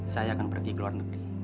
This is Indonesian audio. saya akan pergi ke luar negeri